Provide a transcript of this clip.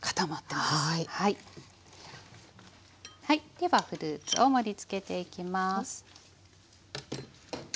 ではフルーツを盛りつけていきます。